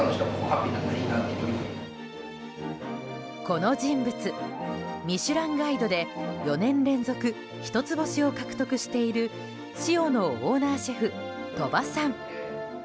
この人物「ミシュランガイド」で４年連続一つ星を獲得しているｓｉｏのオーナーシェフ、鳥羽さん。